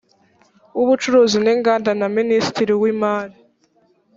w ubucuruzi n inganda na minisitiri w imari